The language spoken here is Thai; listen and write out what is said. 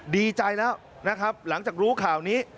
ดีใจแล้วนะครับหลังจากรู้ข่าวนี้